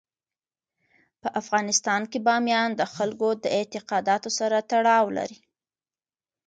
په افغانستان کې بامیان د خلکو د اعتقاداتو سره تړاو لري.